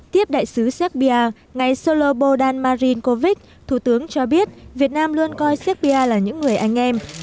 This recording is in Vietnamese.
tiếp đại sứ shekpia ngày solo bồ đàn marin kovic thủ tướng cho biết việt nam luôn coi shekpia là những người anh em